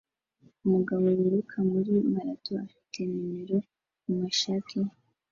Umugabo wiruka muri marato afite numero kumashati ye